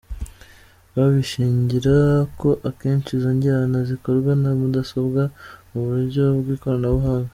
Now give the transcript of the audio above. Babishingira ko akenshi izo njyana zikorwa na mudasobwa, mu buryo bw’ikoranabuhanga.